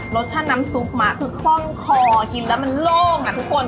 รสชาติน้ำซุปคือคล่องคอกินแล้วมันโล่งอ่ะทุกคน